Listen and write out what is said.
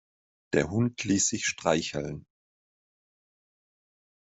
Der Hund ließ sich streicheln.